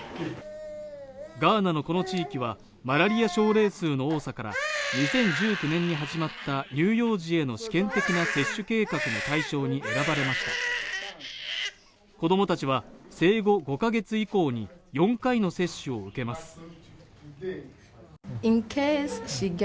ガーナのこの地域はマラリア症例数の多さから２０１９年に始まった乳幼児への試験的な接種計画の対象に選ばれました子どもたちは生後５か月以降に４回の接種を受けます